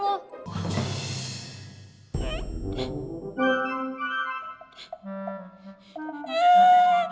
tuh kan pak dia nyalahin aku itu fitnah